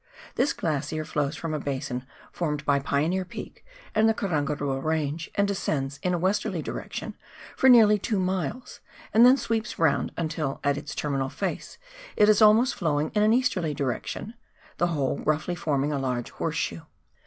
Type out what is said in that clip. This glacier flows from a basin formed by Pioneer Peak and the Karangarua Hange, and descends in a westerly direction for nearly two miles, and then sweeps round until at its terminal face it is almost flowing in an easterly direction, the whole roughly forming a large horseshoe.